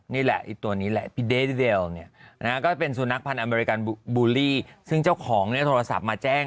นี่แหละอีกตัวนี้ก็เป็นสุนัขผ่านอเมริกันบูลลีก็เจ้าของเนี้ยโทรศัพท์มาแจ้ง